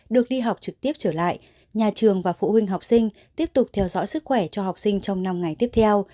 được đi học trực tiếp trở lại nhà trường và phụ huynh học sinh tiếp tục theo dõi sức khỏe cho học sinh trong năm ngày tiếp theo